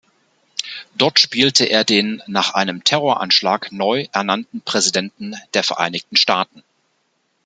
Dort spielte er den nach einem Terroranschlag neu ernannten Präsidenten der Vereinigten Staaten.